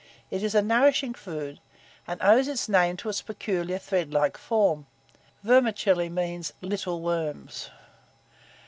It is a nourishing food, and owes its name to its peculiar thread like form. Vermicelli means, little worms.